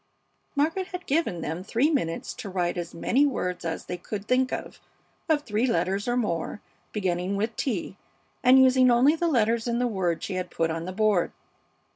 Margaret had given them three minutes to write as many words as they could think of, of three letters or more, beginning with T, and using only the letters in the word she had put on the board.